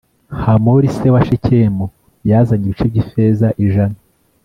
hamori se wa shekemu yazanye ibice by’ifeza ijana